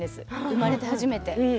生まれて初めて。